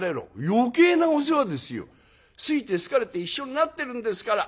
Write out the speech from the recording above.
「余計なお世話ですよ。好いて好かれて一緒になってるんですから。